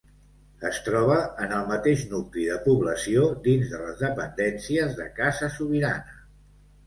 Es troba en el mateix nucli de població, dins de les dependències de Casa Sobirana.